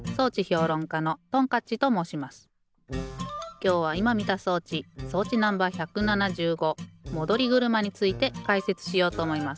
きょうはいまみた装置装置Ｎｏ．１７５戻り車についてかいせつしようとおもいます。